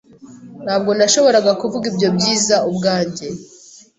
Ntabwo nashoboraga kuvuga ibyo byiza ubwanjye.